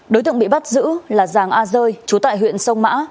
đối tượng bị bắt giữ là giàng a dơi chú tại huyện sông mã